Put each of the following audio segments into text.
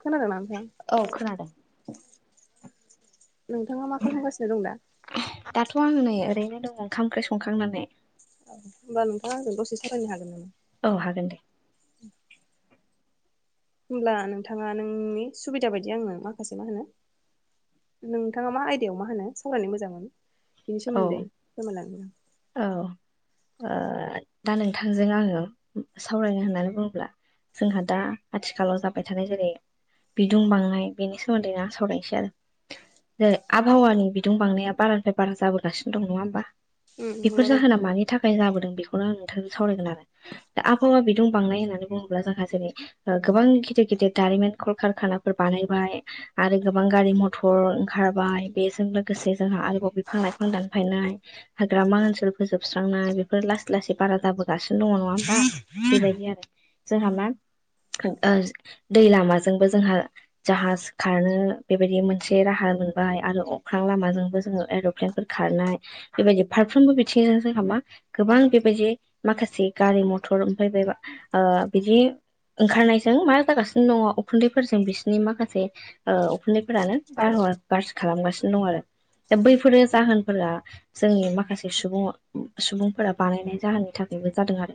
खोनादों ना नोंथां। औ खोनादों नोंथाङा मा खालामगासिनो दं दा? दाथ' आं नै ओरैनो दङ ओंखाम ओंख्रि संखांनानै ओनमबा नोंथाङा आंजों दसे सालायनो हागोन नामा? औ हागोन दे होमब्ला नोंथाङा नोंनि सुबिदा बायदि आङो माखासे मा होनो, नोंथाङा मा आयदायाव मा होनो संरायनाय मोजांमोन बेनि औ सोमोन्दै फोरमायलांगोन आं औ दा नोंथांजों आङो सावरायनो होननानै बुङोब्ला, जोंहा दा आथिखालाव जाबाय थानाय जेरै बिदुं बांनाय बेनि सोमोन्दैनो आं सावरायनोसै आरो जेरै आबहावानि बिदुं बांनाया बाराद्राय बारा जाबोगासिनो दं नङा होमबा बेफोर जाहोना मानि थाखाय, उफाय जाबोदों बेखौनों नोंथांजों सावरायगोन आरो दा आबहावा बिदुं बांनाय होननानै बुङोब्ला जोंहा जेरै गोबां गिदिर गिदिर दारिमिन कलकारखानाफोर बानायबाय, आरो गोबां गारि मथर ओंखारबाय बेजों लोगोसे जोंहा आरोबाव बिफां लाइफां दानफायनाय हाग्रामा ओनसोल फोजोबस्रांनाय बेफोर लासै लासै बारा जाबोगासिनो दङ नङा होमबा बेबायदि आरो जोंहा मा दै लामाजोंबो जोंहा जाहाज खारनो बेबायदि मोनसे राहा मोनबाय आरो अख्रां लामाजोंबो जोङो एर [unintelligible] खारनाय बेबायदि फारफ्रोमबो बिथिंजों जो हबा गोबां बेबायदि माखासे गारि मथर ओमफ्राय बे बिदि ओंखारनायजों मा जागासिनो दङ उखुन्दैफोरजों बिसोरनि माखासे ओ उखुन्दैफोरानो बारह गाज्रि खालामगासिनो दं आरो दा बैफोरो जाहोनफोरा, जोंनि माखासे सुबुं सुबुंफोरा बानायनाय जाहोननि थाखायबो जादों आरो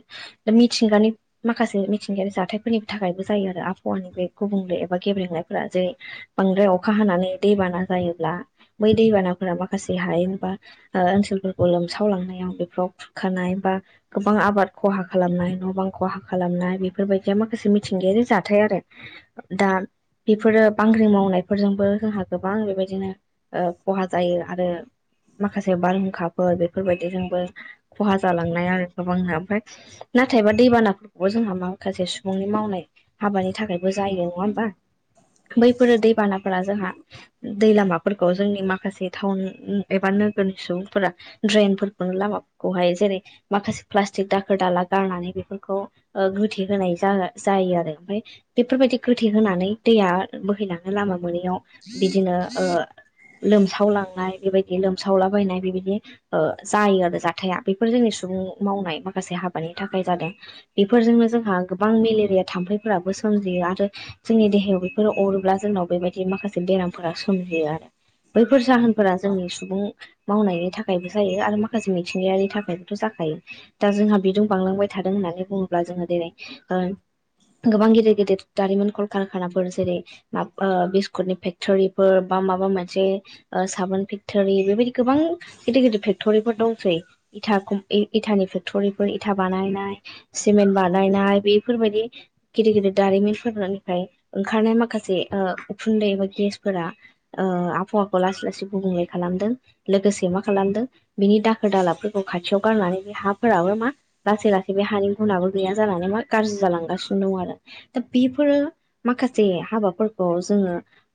मिथिं गानि माखासे मिथिंगायारि जाथायफोरनि थाखायबो जायो आरो आबहावानि बे गुबुंले एबा गेब्लेंनायफोरा जेरै बांद्राय अखा हानानै दैबाना जायोब्ला बै दैबानाफोरा माखासे हायेनबा, ओनसोलफोरखौ लोमसावलांनायाव बेफोराव खारनाय बा गोबां आबाद खहा खालामनाय न' बां खहा खालामनाय बेफोरबायदिया माखासे मिथिंगायारि जाथाय आरो दा बेफोरो बांग्रि मावनायफोरजोंबो जोंहा गोबां बेबायदिनो खहा जायो आरो माखासे बारहुंखाफोर बेफोरबायदिजोंबो खहा जालांनाय आरो गोबांनो ओमफ्राय नाथायबा दैबानाफोरखौबो जोंहा माखासे सुबुंनि मावनाय हाबानि थाखायबो जायो नङा होमबा बैफोरो दैबानाफोरा जोंहा दै लामाफोरखौ जोंनि माखासे टाउन एबा नोगोरनि सुबुंफोरा ड्रेनफोरखौनो लामाफोरखौहाय जेरै माखासे प्लास्टिक दाखोर दाला गारनानै बेफोरखौ गोथे होनाय जायो आरो ओमफाय बेफोरबायदि गोथै होनानै दैया बोहैनानै लामा मोनैयाव बिदिनो ओ लोमसावलांनाय बेबायदि लोमसावलाबायनाय बेबायदि ओ जायो आरो जाथाया बेफोर जोंनि सुबुं मावनाय माखासे हाबानि थाखाय जादों। बेफोरजोंनो जोंहा गोबां मेलेरिया थाम्फैफोराबो सोमजियो आरो जोंनि देहायाव बेफोरो अरोब्ला जोंनाव बेबायदि माखासे बेरामफोरा सोमजियो आरो बैफोर जाहोनफोरा जोंनि सुबुं मावनायनि थाखायबो जायो आरो माखासे मिथिंगायानि थाखायबोथ' जाखायो। दा जोंहा बिजों बांलांबाय थादों होननानै बुङोब्ला जोङो दिनै ओ गोबां गेदेर गेदेर दारिमन कल कारखानाफोर जेरै बिस्कुटनि फेक्ट'रिफोर बा माबा मोनसे ओ साबोन फेक फेक्ट'रि बेबायदि गोबां गिदिर गिदिर फेक्ट'रिफोर दंसै इथा इथानि फेक्टरिफोर इथा बानायनाय, सिमेन्ट बानायनाय बेफोरबायदि गिदिर गिदिर दारिमिनफोरानो ओमफ्राय ओंखारनाय माखासे उखुन्दै एबा गेसफोरा आबहावाखौ लासै लासै गुबुंले खालामदों लोगोसे मा खालामदों बिनि दाखोर दालाफोरखौ खाथियाव गारनानै बे हाफोराबो मा लासै लासै बे हानि गुनाबो गैया जानानै मा गाज्रि जालांगासिनो दं आरो दा बेफोरो माखासे हाबाफोरखौ जोङो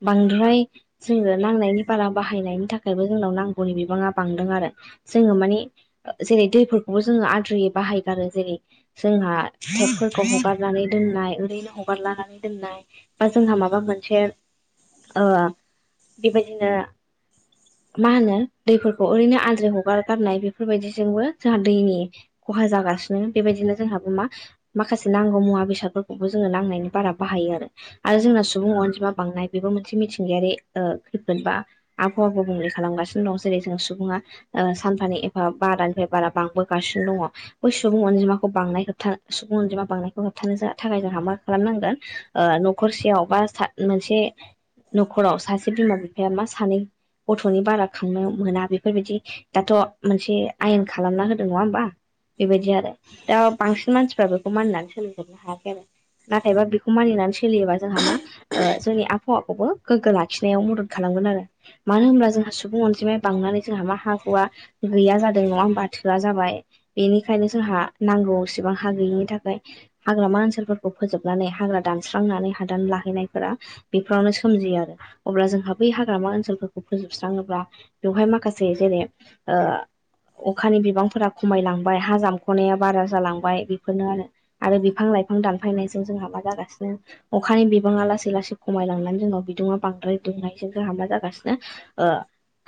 बांद्राय जोंनो नांनायनि बारा बाहायनायनि थाखायबो जोंनाव नांगौनि बिबाङा बांदों आरो जोङो माने जेरै दैफोरखौबो जोङो आद्रिुयै बाहायगारो जेरै जोंहा फथोबफोरखौ हगारनानै दोननाय ओरैनो हगारलनानै दोननाय बा जोंहा माबा मोनसे ओ बेबायदिनो मा होनो दैफोरखौ ओरैनो आलद्रि हगारगारनाय बेफोरबायदिजोंबो जोंहा दैनि खहा जागासिनो बेबायदिनो जोंहाबो मा माखासे नांगौ मुवा बेसादफोरखौबो जोङो नांनायनि बारा बाहायो आरो आरो जोंना सुबुं अनजिमा बांनाय बेबो मोनसे मिथिंगायारि ओ खैफोद बा आबहावा गुबुंले खालामगासिनो दं जेरै जों सुबुङा सानफानि एफा बारानिफ्राय बारा बांबोगासिनो दङ बै सुबुं अनजिमाखौ बांनाय होबथा सुबुं अनजिमा बांनायखौ होबथानो थाखाय जोंहा मा खालामनांगोन न'खरसेयाव बा मोनसे न'खराव सासे बिमा बिफाया मा सानै गथ'नि बारा खांनो मोना बेफोरबायदि दाथ' मोनसे आयेन खालामना होदों नङा होमबा बेबायदि आरो दा बांसिन मानसिफ्रा बेखौ मानिनानै सोलोंजोबनो हायाखै आरो नाथायबा बेखौ मानिनानै सोलियोबा जोंहा मा जोंनि आबहावाखौबो गोग्गो लाखिनायाव मदद खालामगोन आरो मानो होनब्ला जोंहा सुबुं अनजिमाया बांनानै जोंहा मा हा हुवआ गैया जादों नङा ब थोआ जाबाय बेनिखायनो जोंहा नांगौ एसेबां हा गैयिनि थाखाय हाग्रामा ओनसोलफोरखौ फोजोबनानै हाग्रा दानस्रांनानै हादान लाहैनायफोरा बेफोरावनो सोमजियो आरो अब्ला जोंहा बै हाग्रामा ओनसोलफोर फोजोबस्राङोब्ला बेवहाय माखासे जेरै अखानि बिबांफोरा खमायलांबाय हा जामख'नाया बारा जालांबाय बेफोरनो आरो आरो बिफां लाइफां दानफायनायजों जोंहा मा जागासिनो अखानि बिबाङा लासै लासै खमायलांनानै जोंनाव बिदुङा बांद्राय दुंनायजों जोंहा मा जागासिनो ना आ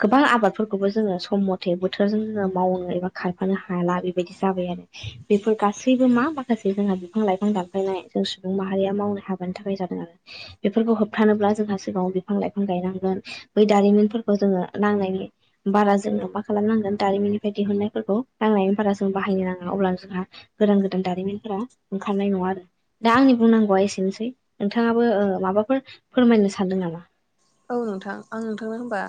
गोबां आबादफोरखौबो जोङो सम मथे बोथोरजों जोङो मावनो एबा खायफानो हाला बेबायदि जाबाय आरो बेफोर गासैबो मा माखासे जोंहा बिफां लाइफां दानफायनाय जों सुबुं माहारिया मावनो हाबानि थाखाय जादों आरो बेफोरखौ होबथानोब्ला जोंहा सिगाङाव बिफां लाइफां गायनांगोन बै दारिमिनफोरखौ जोङो नांनायनि बारा जोंनो मा खालामनांगोन दारिमिननिफ्राय दिहुननायफोरखौ नांनायनि बारा जों बाहायनो नाङा अब्ला जोंहा गोदान गोदान दारिमिनफोरा ओंखारनाय नङा आरो दा आंनि बुंनांगौआ एसेनोसै नोंथाङाबो माबाफोर फोरमायनो सानदों नामा औ नोंथां आं नोंथांनो होनबा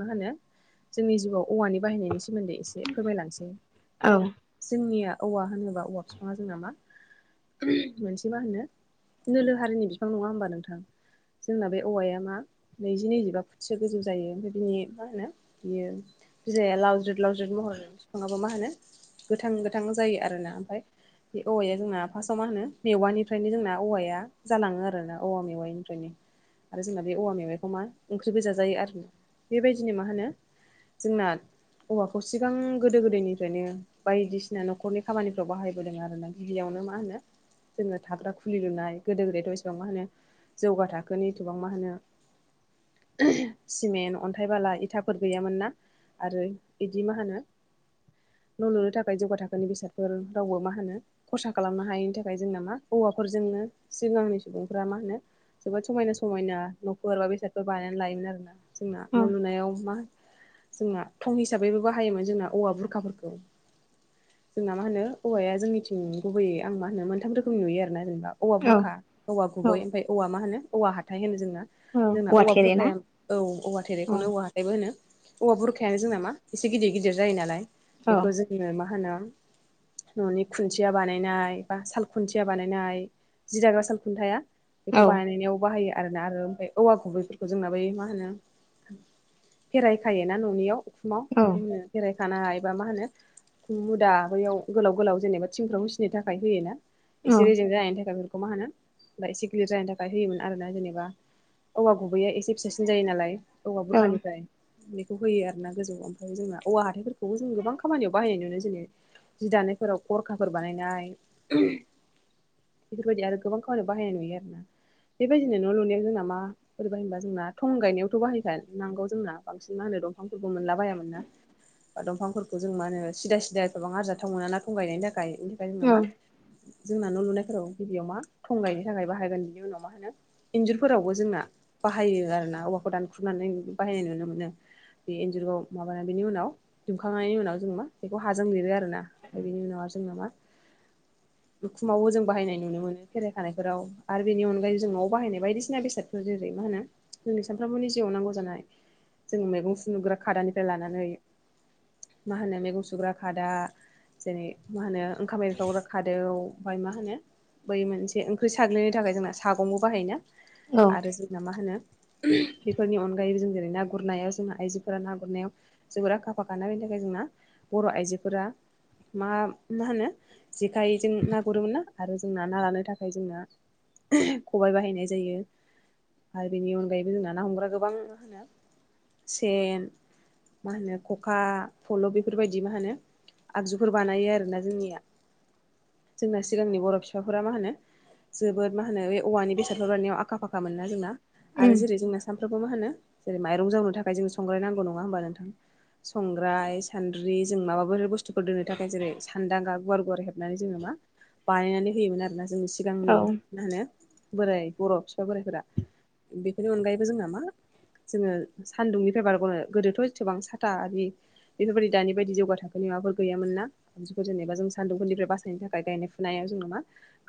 मा होनो जोंनि जिउआव औवानि बाहायनायनि सोमोन्दै एसे फोरमायलांसै औ जोंनिया औवा होनोबा औवा बिफाङा जोंना मा मोनसे मा होनो नोलो हारिनि बिफां नङा होमबा नोंथां जोंना बे औवाया मा नैजि नैजिबा फुटसो गोजौ जायो ओमफ्राय बिनि मा होनो बियो बिलाया लावज्रेद लाउज्रेद महरनि बिफाङाबो मा होनो गोथां गोथां जायो आरोना ओमफ्राय बे औवाया जोंना फार्स्टआव मा होनो मेवानिफ्रायनो जोंना औवाया जालाङो आरोना औवा मेवनिफ्रायनो आरो जोंना बे औवा मेवाइखौ मा ओंख्रि गोजा जायो आरो बेबायदिनो मा होनो जोंना औवाखौ सिगां गोदो गोदायनिफ्रायनो बायदिसिना न'खरनि खामानिफ्राव बाहायबोदों आरो ना गिबियावनो मा होनो जोङो थाग्रा खुलि लुनाय गोदो गोदायथ' एसेबां मा होनो जौगा थाखोनि एथबां मा होनो सिमेन्ट अन्थाइ बाला इथाफोर गैयामोन ना आरो बिदि मा होनो न' लुनो थाखाय जौगा थाखोनि बेसादफोर रावबो मा होनो खरसा खालामनो हायैनि थाखाय जोंना मा औवाफोरजोंनो सिगांनि सुबुंफ्रा मा होनो जोबोद समायना समायना न गोरबा बेसादखौ बायनानै लायोमोन आरोोना जोंना औ न' लुनायाव मा जोंना थं हिसाबैबो बाहायोमोन जोंना औवा बुरखाफोरखौ। जोंना मा होनो औवाया जोंनिथिं गुबैयै आं मा होनो मोनथाम रोखोमनि नुयो आरोना जेनेबा। औवा औ बुरखा औवा औ गुबै ओमफ्राय औवा मा होनो औवा हाथाइ होनो जोंना औ जोंना औवा थेरे ना बुरखाया औ औवा औ थेरेखौनो औवा हाथाइबो होनो औवा बुरखायानो जों नामा एसे गिदिर गिदिर जायो नालाय औ बेखौ जोङो मा होनो न'नि खुन्थिया बानायनाय बा साल खुन्थिया बानायनाय जि दाग्रा साल खुन्थाया औ बेखौ बानायनायाव बाहायो आरोना आरो ओम औवा गुबैफोरखौ जोंना बै मा होनो फेरायखाय ना न'नियाव खुमा औ बेखौ खेरायखानाय एबा मा होनो उखुम मुदा बैयाव गोलाव गोलाव जेनेबा थिंफ्राव मिसिनो थाखाय होयोना एसे रेजें जानायनि थाखाय बेफोरखौ मा होनो बा एसे गिलिर जानायनि थाखाय होयोमोन आरो ना जेनेबा औवा गुबैया एसे फिसासिन जायो नालाय औवा औ बुरखानिफ्राय बेखौ होयो आरो ना गोजौ ओमफ्राय जोंना औवा हाथाइफोरखौबो जों गोबां खामानियाव बाहायनाय नुो जेनै जि दानायफोराव खरखाफोर बानायनाय बेफोरबायदि आरो गोबां खावानियाव बाहायनाय नुयो आरोना बेबायदिनो न' लुनायाव जोंना मा बबाह होनबा जोंना थं गायनायावथ' बाहायखोन नांगौ जोंना बांसिन माो दंफांफोरबो मोनला बायामोन ना बा दंफांफोरखौ जों मा होनो सिदा सिदा गोबां आरजाथाव मोना ना थं गायनायनि थाखाय बेनि थाखाय जोङो मा जोंना न' लुनायफोराव गिबियाव मा थं गायनि थाखाय बाहायगोन बिनि उनाव मा होनो इन्जुरफोरावबो जोंना बाहायो आरोना दानखुमनानै बाहायनाय नुनो मोनो। बे एन्जुरखौ माबानानै बेनि उनाव दुमखांनायनि उनाव जों मा बेखौ हाजों लिरो आरोना म बेनि उनाव आरो जों मा उखुमावबो जों बाहायनाय नुनो मोनो खेराइखानायफोराव आरो बेनि अनगायै जों न'आव बाहायनाय बायदिसिना बेसाद जेरै मा होनो जोंनि सानफ्रामबोनि जिउआव नांगौ जानाय जोङो मैगं सुदुग्रा खादानिफ्राय लानानै मा होनो मैगं सुग्रा खादा जेरै मा होनो ओंखाम एरै सावग्रा खादौ ओमफाय मा होनो बै मोनसे ओंख्रि साग्लिनो थाखाय जोंना सागंबो बाहायोना। औ आरो जोंना मा होनो बेफोरनि अनगायै जों जेरै ना गुरनायाव जोंना आइजोफोरा ना गुरनायाव जोबोरा आखा फाखाना बेनि थाखाय जोंना बर' आइजोफोरा। मा मा होनो जेखाइजों ना गुरोमोन ना आरो जोंना ना लानो थाखाय जोंना खबाइ बाहायनाय जायो। आरो बेनि अनगायैबो जोंना ना हमग्रा गोबां होनो सेन मा होनो खखा फल' बेफोरबायदि मा होनो आगजुफोर बानायो आरोना जोंनिया जोंना सिगांनि बर' बिफाफोरा मा होनो जोबोद मा होनो औवानि बेसादफोर राननायाव आखा फाखा मोना जोंना आरो उम जेरै जोंना सानफ्रामबो मा होनो जेरै माइरं जावनो थाखाय जों संग्राय नांगौ नङा होमबा नोंथां? संग्राय सान्द्रि जों माबाफोर बुस्थुफोर दोननो थाखाय जेरै सान्दांगा गुवार गुवार हेबनानै जोङो मा बानायनानै होयोमोन आरोोना जोंनि औ सिगांनि मा होनो बोराय बर' बिफा बोराइफोरा बेफोरनि अनगायैबो जों नामा जोङो सान्दुंनिफ्राय बारग'नो गोदोथ' एसेबां साथा आरि बेफोरबायदि दानि बायदि जौगा थाखो माबाफोर गैयामोना खौ जेनेबा जों सान्दुंफोरनिफ्राय बासायनो थाखाय गायनाय फुनाया जोंना मा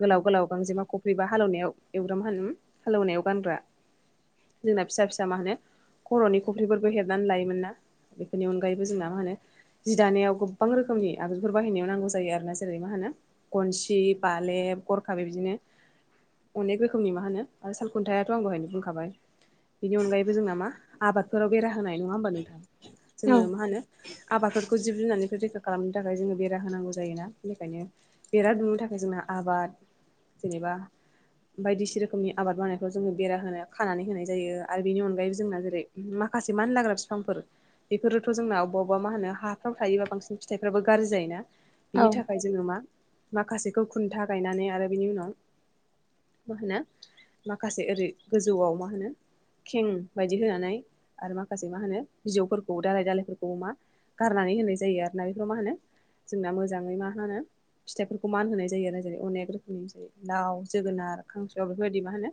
गोलाव गोलाव गांजेमा खफ्रि बा हालेवनायाव एवग्रोम हालेवनायाव गानग्रा जोंना फिसा फिसा मा होनो खर'नि खफ्रिफोरबो हेबनानै लायोमोन ना बेफोरनि अनगायैबो जोंना मा होनो जि दानायाव गोबां रोखोमनि आगरफोर बाहायनायाव नांगौ जायो आरो ना जेरै मा होनो गनसि बालेब गरखा बे बिदिनो अनेक रोखोमनि मा होनो आरो सालखुन्थायाथ' आं बेहायनो बुंखाबाय बिनि अनगायैबो जोंना मा आबादफोराव बेरा होनाय नङा होमबा नोंथां औ जोङो मा होनो आबादफोरखौ जिब जुनारखौ रैखा खालामनो थाखाय जोङो बेरा होनांगौ जायोोना बेनिखायनो बेरा दुमनो थाखाय जोंना आबाद जेनेबा बायदिसि रोखोमनि आबाद मावनायखौ जोङो बेरा होनो खानानै होनाय जायो आरो बेनि अनगायैबो जोंना जेरै माखासे मानो लाग्रा बिफांफोर बेफोरोथ' जोंना अबा अबेबा मा होनो हाफ्राव थायोबा बांसिन फिथाइफ्राबो गाज्रि जाय ना बिनि थाखाय जोङो मा माखासेखौ खुन्था गायनानै आरो बिनि उनाव मा होनो माखासे ओरै गोजौआव मा होनो खें बायदि होनानै आरो माखासे मा होनो बिजौफोरखौ दालाय दालायफोरखौ मा गारनानै होनाय जायो आरोना बेफोराव मा होनो जोंना मोजाङै मा होनो फिथाइफोरखौ मान होनाय जायो आरो जेरै अनेक रोखोमनि जै लाव जोगोनार खांस औ बेफोरबायदि मा होनो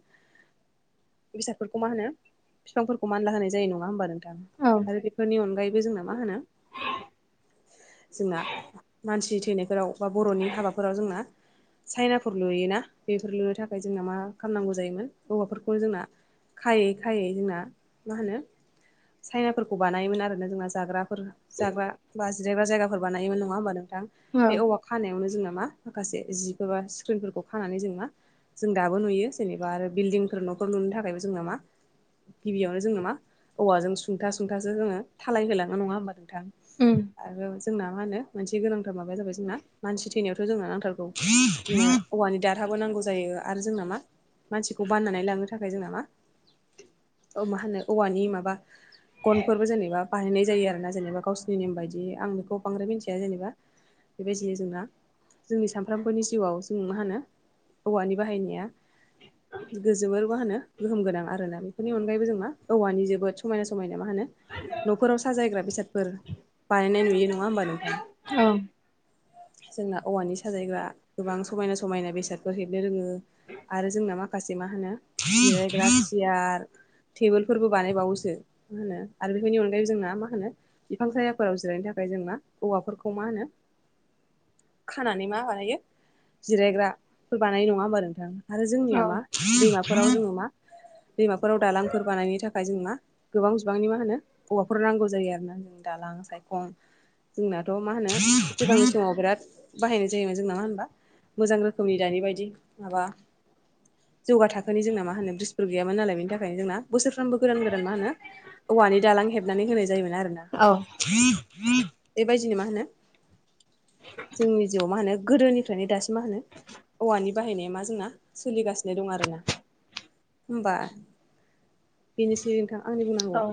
बेसादफोरखौ मा होनो बिफांफोरखौ मानला होनाय जायो नङा होमबानो नों औ आरो बेफोरनि अनगायैबो जोंना मा होनो जोंना मानसिनि थैनायफोराव बा बर'नि हाबाफोराव जोंना चाइनाफोर लुयोना बेफोर लुनो थाखाय जोंना मा खालामनांगौ जायोमोन औवाफोरखौ जोंना खायै खायै जोंना मा होनो साइनाफोरखौ बानायोमोन आरोना जोंना जाग्राफोर जाग्रा बा जिरायग्रा जायगाफोर बानायोमोन नङा होमबा नोंथां बे औ खानायावनो जोंना मा माखासे जिफोर बा स्क्रिनफोरखौ खानानै जों मा जों दाबो नुयो जेनेबा आरो बिल्डिंफोर न'फोर लुनो थाखायबो जोंना मा गिबियावनो जोंनो मा औवाजों सुंथा सुंथासो जोङो थालायहोलांङो नङा होनबा नोंथां उम आरो जोंना मा होनो मोनसे गोनांथार माबाया जाबाय जोंना मानसि थैनायावथ' जोंना नांथारगौ जोंनो औवानि दारहाबो नांगौ जायो आरो जों नामा मानसिखौ बाननानै लांनो थाखाय जों नामा मा होनो औवानि माबा गनफोरबो जेनेबा बाहायनाय जायो आरो ना जेनेबा गावसिोरनि नेम बायदि आं बेखौ बांद्राय मिथिया जेनेबा बेबायदि जोंना जोंनि सानफ्रामबोनि जिउआव जों मा होनो औवानि बाहायनाया गोजोबोर मा होनो गोहोम गोनां आरो ना बेफोरनि अनगायैबो जों मा औवानि जोबोद समायना समायना मा होनो आ न'खराव साजायग्रा बेसादफोर बानायनाय नुयो नङा होमबा नोंथां? औ जोंना औवानि साजायग्रा गोबां समायना समायना बेसादफोर हेबनो रोङो आरो जोंना माखासे मा होनो जिरायग्रा सियार टेबोलफोरबो बानायबावोसो मा होनो आरो बेफोरनि अनगायैबो जोंना मा होनो बिफां सायाफोराव जिरायनो थाखाय जोंना औवाफोरखौ मा होनो खानानै मा बानायो जिरायग्राफोर बानायनाय नङा होमबा नोंथां। आरो जोंनिया मा दैमाफोराव जोङो मा दैमाफोराव दालांफोर बानायनि थाखाय जों मा गोबां बिबांनि मा होनो हौवाफोर नांगौ जायो आरोना जों दालां सायखं जोंनाथ' मा होनो सिगांनि समाव बिराद बाहायनाय जायोमोन जोंना मा होनबा मोजां रोखोमनि दानि बायदि माबा जौगा थाखोनि जोंना मा होनो ब्रिजफोर गैयामोन नालाय बेनि थाखायनो जोंना बोसोरफ्रोमबो गोदान गोदान मा होनो औवानि दालां हेबनानै होनाय जायोमोन आरोना औ बेबायदिनो मा होनो जोंनि जिउआव मा होनो गोदोनिफ्रायनो दासिम मा होनो औवानि बाहायनाया मा जोंना सोलिगासिनो दं आरोना होमबा बेनिसै नोंथां आंनि बुंनांगौआ। औ